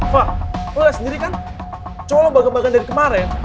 far lo liat sendiri kan cowok lo bagan bagan dari kemarin